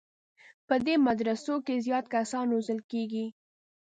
په دې مدرسو کې زیات کسان روزل کېږي.